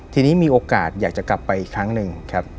ทีนี้มีโอกาสอยากจะกลับไปอีกครั้งหนึ่งครับ